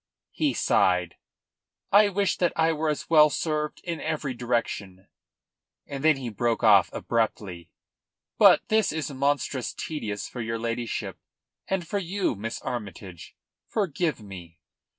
He sighed. "I wish that I were as well served in every direction." And then he broke off abruptly. "But this is monstrous tedious for your ladyship, and for you, Miss Armytage. Forgive me."